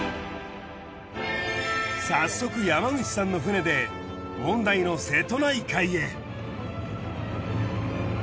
早速山口さんの船で問題の瀬戸内海へ。